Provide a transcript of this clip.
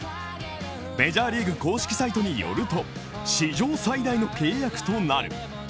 メジャーリーグ公式サイトによると史上最大の契約となる。